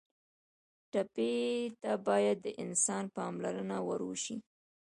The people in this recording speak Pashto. ټپي ته باید د انسان پاملرنه ور وښیو.